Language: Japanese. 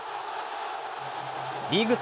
リーグ戦